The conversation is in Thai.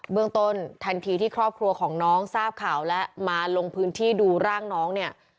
เรื่องต้นทันทีที่ครอบครัวของน้องทราบข่าวและมาลงพื้นที่ดูร่างน้องเนี่ย